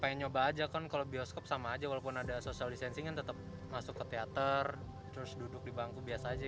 pengen nyoba aja kan kalau bioskop sama aja walaupun ada social distancing kan tetap masuk ke teater terus duduk di bangku biasa aja